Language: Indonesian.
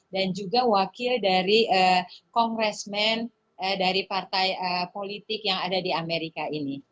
dan juga wakil dari kongresmen dari partai politik yang ada di amerika ini